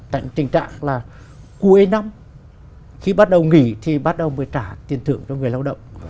cạnh tình trạng là cuối năm khi bắt đầu nghỉ thì bắt đầu mới trả tiền thưởng cho người lao động